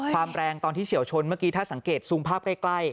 ความแรงตอนที่เฉียวชนเมื่อกี้ถ้าสังเกตซูมภาพใกล้